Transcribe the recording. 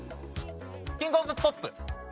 キング・オブ・ポップ！